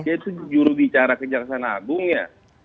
jadi itu jujur bicara kejaksanaan agung ya